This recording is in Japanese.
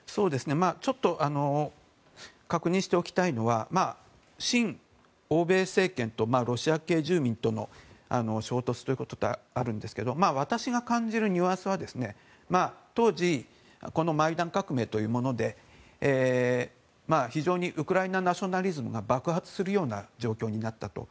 ちょっと確認しておきたいのは親欧米政権とロシア系住民との衝突ということであるんですけども私が感じるニュアンスは当時このマイダン革命というもので非常にウクライナナショナリズムが爆発するような状況になったと。